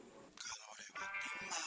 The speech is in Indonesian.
suami pak timah